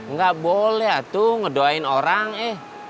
nggak boleh tuh ngedoain orang eh